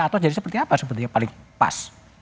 atau jadi seperti apa sebetulnya paling pas